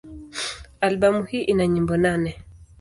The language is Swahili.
Albamu hii ina nyimbo nane.